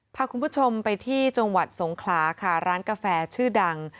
พาคุณผู้ชมไปที่จังหวัดสงขลาค่ะร้านกาแฟชื่อดัง